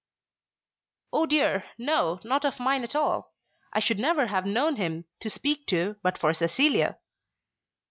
"Oh dear, no, not of mine at all. I should never have known him to speak to but for Cecilia."